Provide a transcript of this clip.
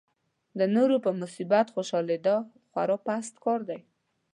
د نورو په مصیبت خوشالېدا خورا پست کار دی.